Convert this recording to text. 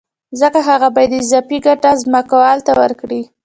ځکه هغه باید اضافي ګټه ځمکوال ته ورکړي